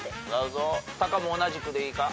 タカも同じくでいいか？